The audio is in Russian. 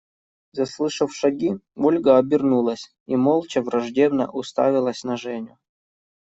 Заслышав шаги, Ольга обернулась и молча враждебно уставилась на Женю.